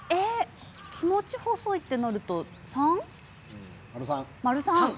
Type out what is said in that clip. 気持ち細いとなると３。